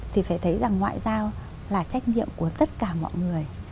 thì phải thấy rằng ngoại giao là trách nhiệm của tất cả mọi người